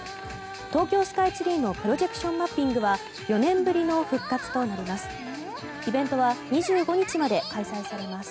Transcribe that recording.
東京スカイツリーのプロジェクションマッピングは４年ぶりの復活となります。